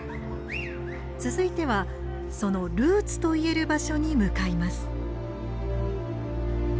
続いてはそのルーツといえる場所に向かいます。